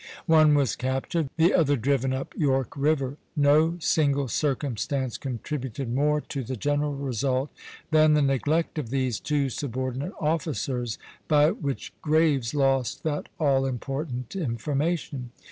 One was captured, the other driven up York River. No single circumstance contributed more to the general result than the neglect of these two subordinate officers, by which Graves lost that all important information.